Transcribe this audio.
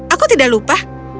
aku tidak lupa